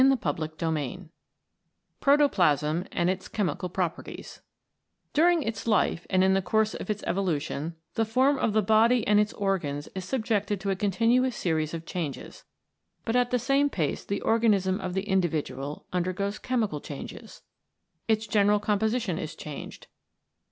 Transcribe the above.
CHAPTER II PROTOPLASM AND ITS CHEMICAL PROPERTIES DURING its life and in the course of its evolu tion, the form of the body and its organs is subjected to a continuous series of changes. But at the same pace the organism of the in dividual undergoes chemical changes. Its general composition is changed.